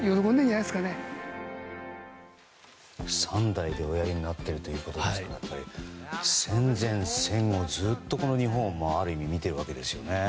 ３代でおやりになっているということですが戦前、戦後ずっと日本をある意味見てるわけですよね。